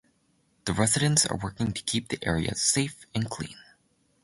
The residents are working to keep the area safe and clean.